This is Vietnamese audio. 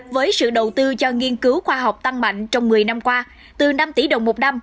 với sự đầu tư cho nghiên cứu khoa học tăng mạnh trong một mươi năm qua từ năm tỷ đồng một năm